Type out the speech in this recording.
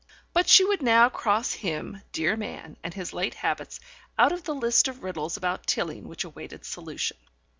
But she would now cross him dear man and his late habits, out of the list of riddles about Tilling which awaited solution.